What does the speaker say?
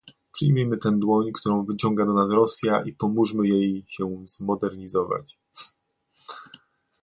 Przyjmijmy tę dłoń, którą wyciąga do nas Rosja i pomóżmy jej się zmodernizować